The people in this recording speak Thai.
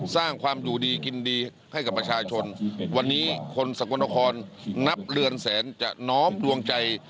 สร้างความอยู่ดีกินดีให้กับประชาชนวันนี้คนสกลนครนับเรือนแสนจะน้อมดวงใจ